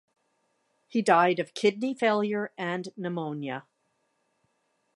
He died of kidney failure and pneumonia.